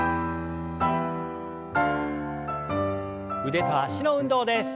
腕と脚の運動です。